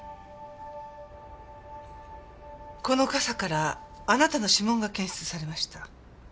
この笠からあなたの指紋が検出されました。